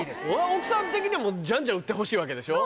奥さん的にもじゃんじゃん売ってほしいわけでしょ。